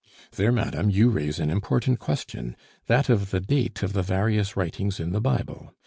"There, madame, you raise an important question that of the date of the various writings in the Bible.